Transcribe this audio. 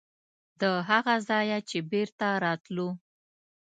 د هغه ځایه چې بېرته راتلو.